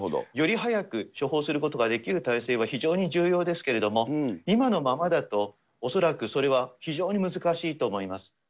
より早く処方することができる体制は非常に重要ですけれども、今のままだと、恐らくそれは非常に難しいと思います。